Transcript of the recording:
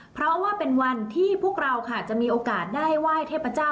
เพราะว่าเป็นวันที่พวกเราค่ะจะมีโอกาสได้ไหว้เทพเจ้า